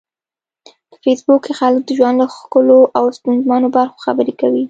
په فېسبوک کې خلک د ژوند له ښکلو او ستونزمنو برخو خبرې کوي